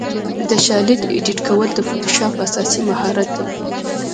د شالید ایډیټ کول د فوټوشاپ اساسي مهارت دی.